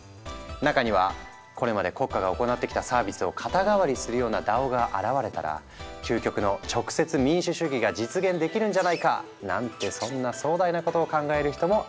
中にはこれまで国家が行ってきたサービスを肩代わりするようなＤＡＯが現れたら「究極の直接民主主義が実現できるんじゃないか」なんてそんな壮大なことを考える人も現れた。